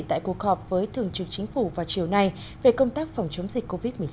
tại cuộc họp với thường trực chính phủ vào chiều nay về công tác phòng chống dịch covid một mươi chín